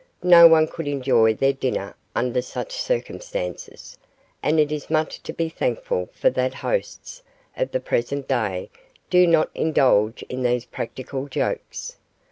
No one could enjoy their dinner under such circumstances, and it is much to be thankful for that hosts of the present day do not indulge in these practical jokes.